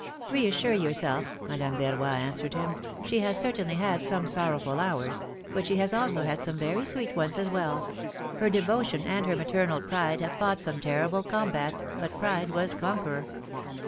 '^Reassure yourself," Madame Verroy answered him; ^^she has certainly had some sorrowful hours, but she has also had some very sweet ones as well ; her devotion and her maternal pride have fought some terrible combats, but pride was conqueror."